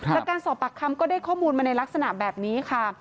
จากการสอบปากคำก็ได้ข้อมูลมาในลักษณะแบบนี้ค่ะ